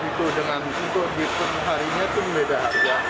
untuk di hari ini itu beda harga